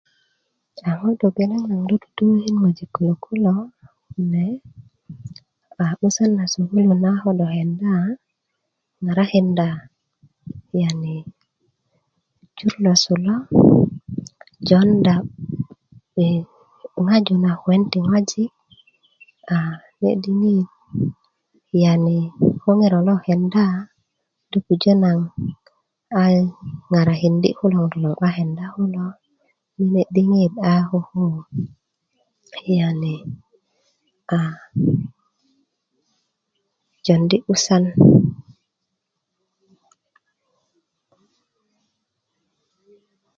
a ŋo togeleŋ naŋ 'n tutukökin ŋojik kulok kulo a 'busan na sukulu na ko do kenda ŋarakinda yani jur losu lo jounda i ŋaju na kuwen ti ŋojik a ne diŋit yani ko ŋiro lo kenda do pujö naŋ a ŋarakindi kulo ŋutu loŋ 'ba kenda kulo i ne diŋit a ko yani a jondi 'busan